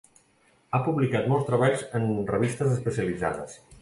Ha publicat molts treballs en revistes especialitzades.